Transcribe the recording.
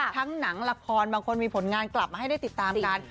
หนังละครบางคนมีผลงานกลับมาให้ได้ติดตามกัน